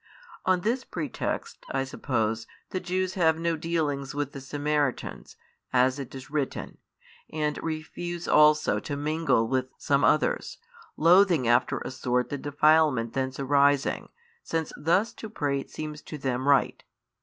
On this pretext I suppose, the Jews have no dealings with the Samaritans, as it is written, and refuse also to mingle with some others, loathing after a sort the defilement thence arising, since thus to prate seems to them right.